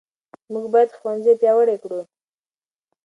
موږ باید ښوونځي پیاوړي کړو.